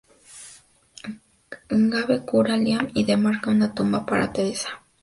Gabe cura a Lian y demarca una tumba para Teresa.